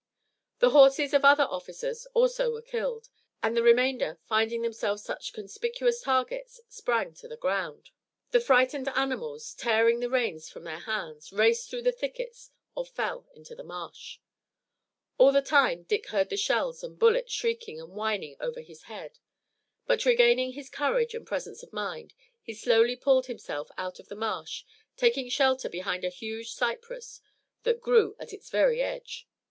The horses of other officers also were killed, and the remainder, finding themselves such conspicuous targets, sprang to the ground. The frightened animals, tearing the reins from their hands, raced through the thickets or fell into the marsh. All the time Dick heard the shells and bullets shrieking and whining over his head. But, regaining his courage and presence of mind, he slowly pulled himself out of the marsh, taking shelter behind a huge cypress that grew at its very edge.